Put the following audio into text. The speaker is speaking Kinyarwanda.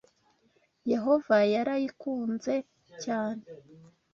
Yehova yarayikunze cyane.